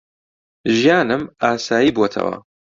ژیانم ئاسایی بووەتەوە.